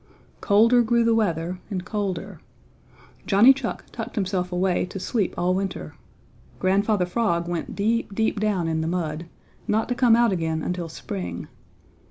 Colder grew the weather and colder. Johnny Chuck tucked himself away to sleep all winter. Grandfather Frog went deep, deep down in the mud, not to come out again until spring.